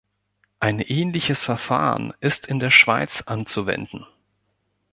Ein ähnliches Verfahren ist in der Schweiz anzuwenden.